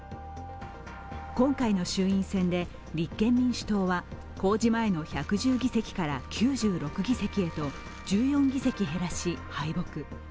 今回の衆院選で立憲民主党は公示前の１１０議席から９６議席へと１４議席減らし、敗北。